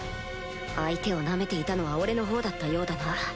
相手をナメていたのは俺のほうだったようだな